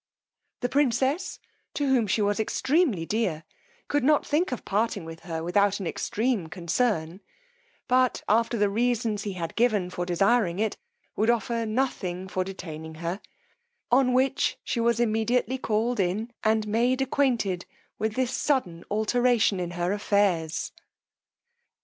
The princess, to whom she was extremely dear, could not think of parting with her without an extreme concern, but after the reasons he had given for desiring it, would offer nothing for detaining her, on which she was immediately called in, and made acquainted with this sudden alteration in her affairs.